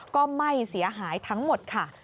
ก็ไหม้เสียหายทั้งหมดค่ะ